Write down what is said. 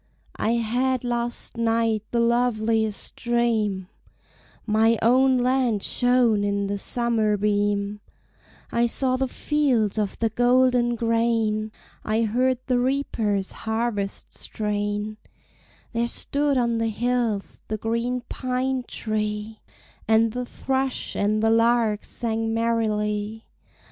"I had last night the loveliest dream: My own land shone in the summer beam, I saw the fields of the golden grain, I heard the reaper's harvest strain; There stood on the hills the green pine tree, And the thrush and the lark sang merrily.